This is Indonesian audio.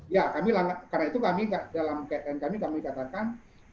ya karena itu kami dalam km kami katakan